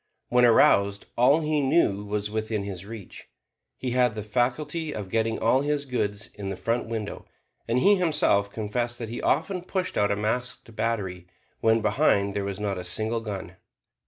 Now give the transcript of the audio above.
When aroused, all he knew was within his reach; he had the faculty of getting all his goods in the front window. And he himself confessed that he often pushed out a masked battery, when behind there was not a single gun.